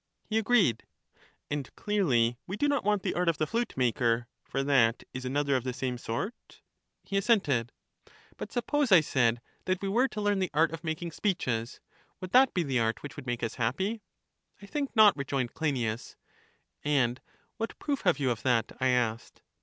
He agreed. And clearly we do not want the art of the flute maker; for that is another of the same sort? He assented. But suppose, I said, that we were to learn the art of making speeches — would that be the art which would make us happy? I think not, rejoined Cleinias. And what proof have you of that? I asked.